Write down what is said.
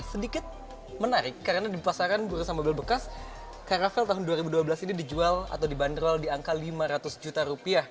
sedikit menarik karena di pasaran berusaha mobil bekas carafel tahun dua ribu dua belas ini dijual atau dibanderol di angka rp lima ratus